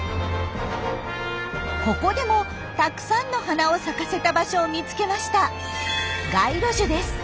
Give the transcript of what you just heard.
ここでもたくさんの花を咲かせた場所を見つけました。